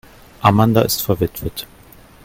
Amanda ist verwitwet.